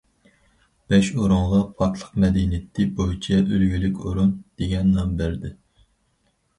بەش ئورۇنغا‹‹ پاكلىق مەدەنىيىتى بويىچە ئۈلگىلىك ئورۇن›› دېگەن نام بەردى.